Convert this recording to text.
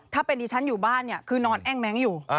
ถ้าเป็นดิฉันอยู่บ้านเนี่ยคือนอนแอ้งแม้งอยู่